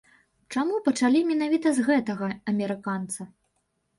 Чаму пачалі менавіта з гэтага амерыканца?